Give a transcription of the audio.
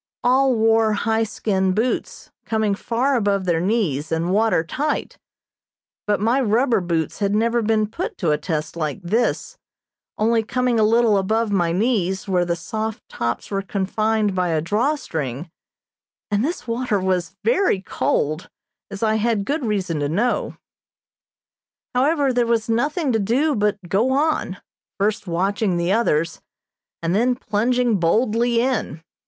All wore high skin boots, coming far above their knees, and water tight, but my rubber boots had never been put to a test like this, only coming a little above my knees, where the soft tops were confined by a drawstring, and this water was very cold, as I had good reason to know. However, there was nothing to do but go on, first watching the others, and then plunging boldly in.